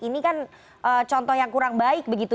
ini kan contoh yang kurang baik begitu